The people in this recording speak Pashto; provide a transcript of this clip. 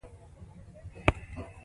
په افغانستان کې د زغال منابع شته.